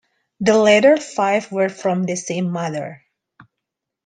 The latter five were from the same mother.